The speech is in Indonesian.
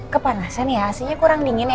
kepanasan ya isinya kurang dingin ya